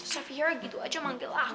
sofia gitu aja manggil aku